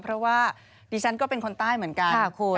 เพราะว่าดิฉันก็เป็นคนใต้เหมือนกันนะคุณ